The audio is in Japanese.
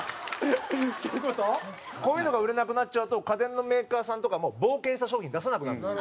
土田：こういうのが売れなくなっちゃうと家電のメーカーさんとかも冒険した商品出さなくなるんですよ。